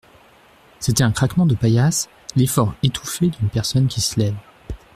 C'était un craquement de paillasse, l'effort étouffé d'une personne qui se lève.